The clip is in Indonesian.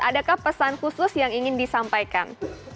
adakah pesan khusus yang ingin disampaikan